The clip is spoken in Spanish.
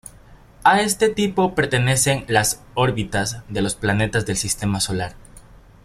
A este tipo pertenecen las órbitas de los planetas del Sistema Solar.